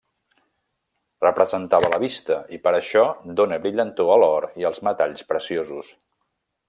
Representava la vista i per això dóna brillantor a l'or i als metalls preciosos.